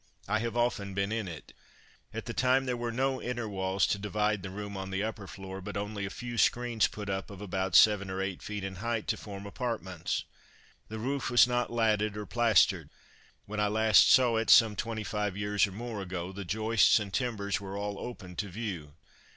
I have often been in it. At that time there were no inner walls to divide the room on the upper floor; but only a few screens put up of about seven or eight feet in height to form apartments. The roof was not latted or plastered. When I last saw it, some twenty five years or more ago, the joists and timbers were all open to view.